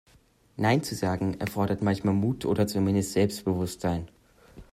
Nein zu sagen, erfordert manchmal Mut oder zumindest Selbstbewusstsein.